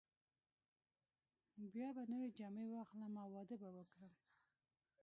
بیا به نوې جامې واخلم او واده به وکړم.